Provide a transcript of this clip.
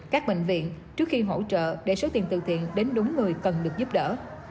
các bệnh viện trước khi hỗ trợ để số tiền từ thiện đến đúng người cần được giúp đỡ